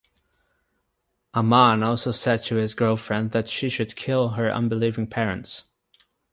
Amman also said to his girlfriend that she should kill her unbelieving parents.